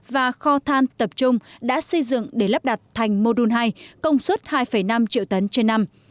và kho than tập trung đã xây dựng để lắp đặt thành mô đun hai công suất hai năm triệu tấn trên năm